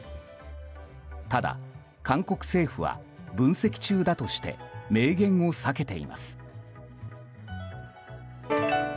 ただ韓国政府は分析中だとして明言を避けています。